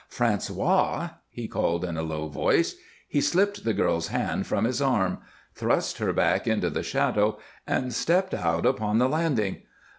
"François!" he called in a low voice. He slipped the girl's hand from his arm, thrust her back into the shadows, and stepped out upon the landing.